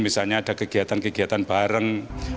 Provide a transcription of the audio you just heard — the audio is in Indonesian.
misalnya ada kegiatan kegiatan bareng